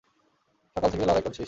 সকাল থেকে লড়াই করছিস।